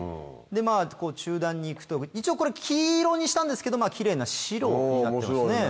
で中段に行くと一応これ黄色にしたんですけどキレイな白になってますね。